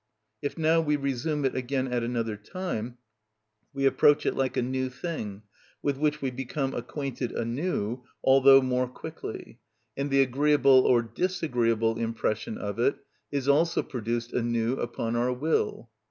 If now we resume it again at another time, we approach it like a new thing, with which we become acquainted anew, although more quickly, and the agreeable or disagreeable impression of it is also produced anew upon our will.